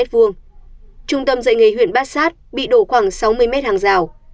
trung tâm dạy nghề huyện bát sát bị đổ khoảng sáu mươi m hàng rào